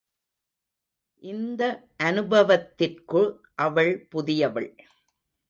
இந்த அனுபவத்திற்கு அவள் புதியவள்.